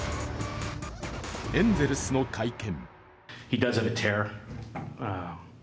エンゼルスの会見。